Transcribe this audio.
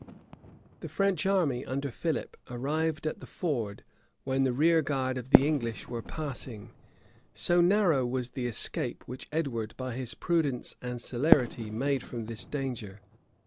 [] The French army under Philip arrived at the ford, when the rearguard of the English were passing: so narrow was the escape which Edward, by his prudence and celerity, made from this danger!